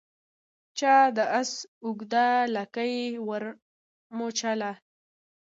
چا د آس اوږده لکۍ ور مچوله